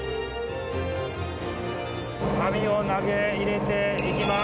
網を投げ入れていきます。